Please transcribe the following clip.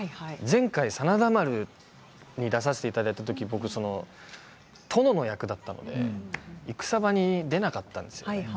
前回「真田丸」に出させていただいたとき殿の役だったので戦場に出なかったんですね。